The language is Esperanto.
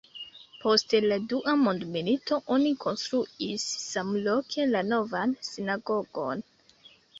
Post la Dua mondmilito oni konstruis samloke la Novan sinagogon.